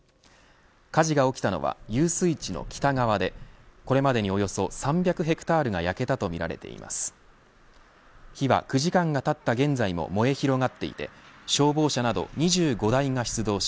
火事が起きたのは遊水地の北側でこれまでにおよそ３００ヘクタールが焼けた火曜日のお天気をお伝えします。